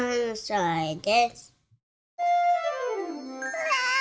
うわ！